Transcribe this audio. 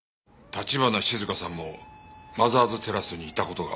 橘静香さんもマザーズテラスにいた事が？